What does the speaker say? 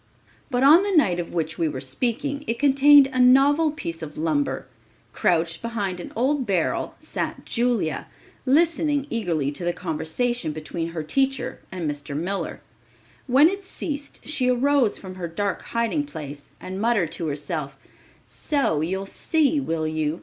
But on the night of which we were speaking, it contained a novel piece of lumber. Crouched behind an old barrel sat Julia, listening eagerly to the conversation between her teacher and Mr. Miller. When it ceased she arose from her dark hiding place and muttered to herself: "So you'll see, will you?